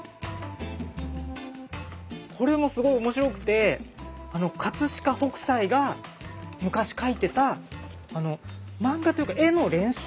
これもすごい面白くて飾北斎が昔描いてた漫画というか絵の練習の本なんですよね。